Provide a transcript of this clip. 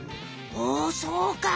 おそうか！